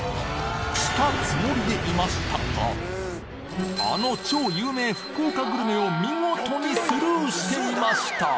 したつもりでいましたがあの超有名福岡グルメを見事にスルーしていました！